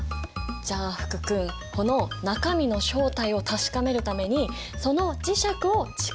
じゃあ福君この中身の正体を確かめるためにその磁石を近づけてみて。